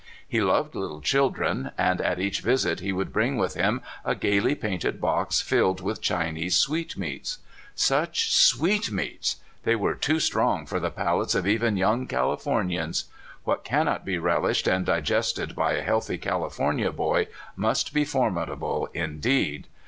He loved little children, and at each visit he would bring with him a gayly painted box tilled with Chinese sweetmeats. Such sweetmeats ! They were too strong for the palates of even young Californians. What cannot be rel ished and digested by a healthy California boy must be formidable indeed.